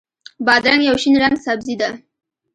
بادرنګ یو شین رنګه سبزي ده.